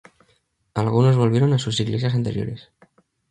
Algunos volvieron a sus iglesias anteriores.